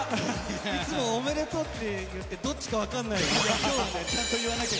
いつもおめでとうって言ってどっちか分かない。